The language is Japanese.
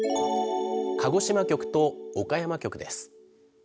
鹿児島局と岡山局です。